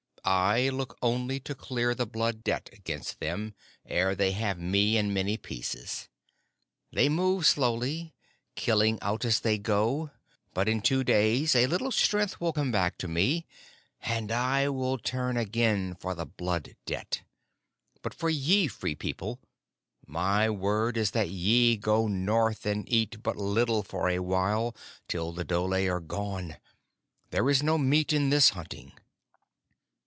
"I look only to clear the Blood Debt against them ere they have me in many pieces. They move slowly, killing out as they go, but in two days a little strength will come back to me and I turn again for the Blood Debt. But for ye, Free People, my word is that ye go north and eat but little for a while till the dhole are gone. There is no meat in this hunting."